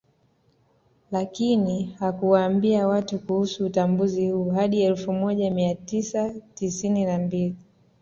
Lakini hakuwaambia watu kuhusu utambuzi huu hadi elfu moja mia tisa tisini na mbili